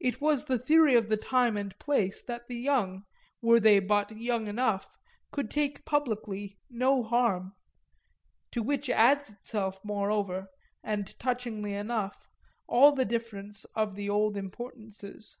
It was the theory of the time and place that the young, were they but young enough, could take publicly no harm; to which adds itself moreover, and touchingly enough, all the difference of the old importances.